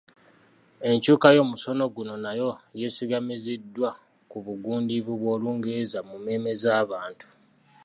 Enkyuka y'omusono guno nayo yeesigamiziddwa ku bugundiivu bw'Olungereza mu mmeeme z'abantu